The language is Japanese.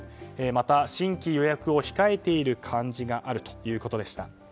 また新規予約を控えている感じがあるということでした。